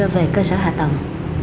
về cơ sở hạ tầng